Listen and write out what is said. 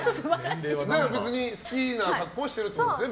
好きな格好をしてるってことですね。